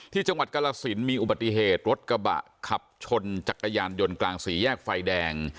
จังหวัดกรสินมีอุบัติเหตุรถกระบะขับชนจักรยานยนต์กลางสี่แยกไฟแดง